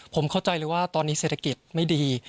ผมเข้าใจเลยว่าตอนนี้เศรษฐกิจไม่ดี